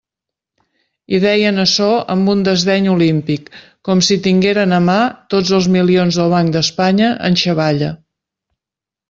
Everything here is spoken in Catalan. I deien açò amb un desdeny olímpic, com si tingueren a mà tots els milions del Banc d'Espanya en xavalla.